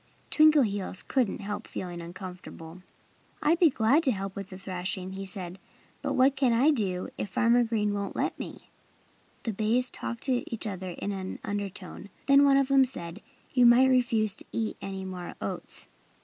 Twinkleheels couldn't help feeling uncomfortable. "I'd be glad to help with the thrashing," he said. "But what can I do if Farmer Green won't let me?" The bays talked to each other in an undertone. Then one of them said: "You might refuse to eat any more oats."